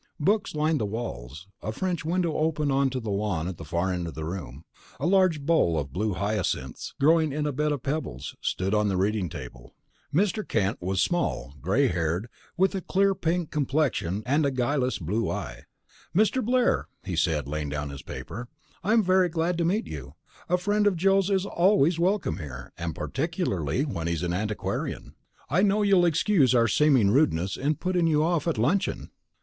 Books lined the walls; a French window opened on to the lawn at the far end of the room; a large bowl of blue hyacinths, growing in a bed of pebbles, stood on the reading table. Mr. Kent was small, gray haired, with a clear pink complexion and a guileless blue eye. "Mr. Blair," he said, laying down his paper, "I am very glad to meet you. A friend of Joe's is always welcome here, and particularly when he's an antiquarian. I know you'll excuse our seeming rudeness in putting you off at luncheon."